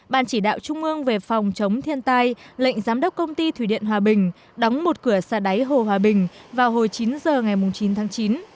ban chỉ đạo trung ương về phòng chống thiên tai lệnh giám đốc công ty thủy điện hòa bình đóng một cửa xả đáy hồ hòa bình vào hồi chín giờ ngày chín tháng chín